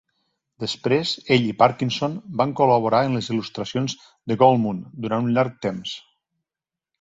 Després, ell i Parkinson van col·laborar en les il·lustracions de Goldmoon durant un llarg temps.